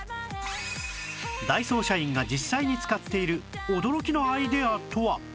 ダイソー社員が実際に使っている驚きのアイデアとは？